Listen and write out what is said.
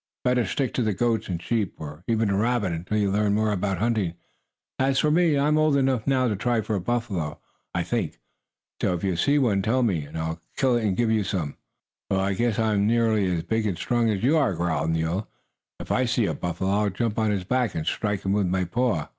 Better stick to the goats and the sheep, or even a rabbit, until you learn more about hunting. As for me, I am old enough now to try for a buffalo, I think. So if you see one, tell me, and I'll kill it and give you some." "Well, I guess I'm nearly as big and strong as you," growled Nero. "If I see a buffalo I'll jump on his back, and strike him with my paw."